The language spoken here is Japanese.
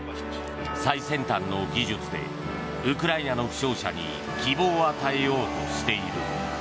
最先端の技術でウクライナの負傷者に希望を与えようとしている。